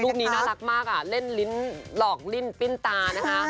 นี้น่ารักมากเล่นลิ้นหลอกลิ้นปิ้นตานะคะ